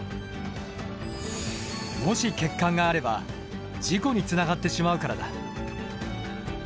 もし欠陥があれば事故につながってしまうからだ。